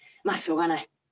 「まあしようがない」。